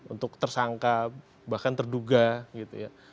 untuk tersangka bahkan terduga gitu ya